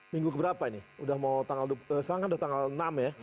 minggu keberapa ini sekarang kan udah tanggal enam ya